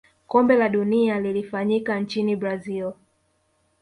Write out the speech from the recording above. kombe la dunia lilifanyika nchini brazil